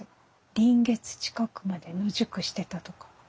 臨月近くまで野宿してたとか。